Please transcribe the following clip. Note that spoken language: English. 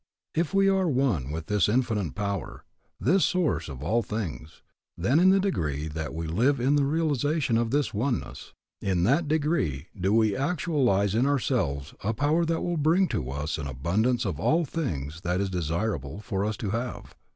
If we are one with this Infinite Power, this source of all things, then in the degree that we live in the realization of this oneness, in that degree do we actualize in ourselves a power that will bring to us an abundance of all things that it is desirable for us to have.